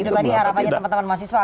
itu tadi harapannya teman teman mahasiswa